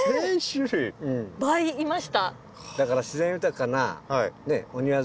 倍いました。